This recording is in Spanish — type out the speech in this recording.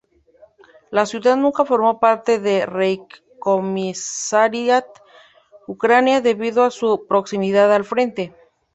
La ciudad nunca formó parte de "Reichskommissariat" Ucrania debido a su proximidad al frente.